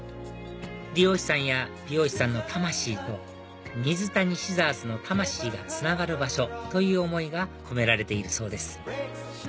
理容師さんや美容師さんの魂とミズタニシザーズの魂がつながる場所という思いが込められているそうです